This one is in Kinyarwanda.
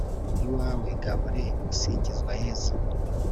iwawe, gahore usingizwa yezu